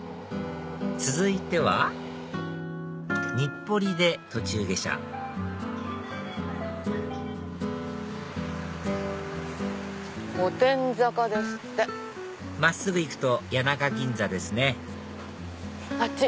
続いては日暮里で途中下車「御殿坂」ですって。真っすぐ行くと谷中銀座ですねあっち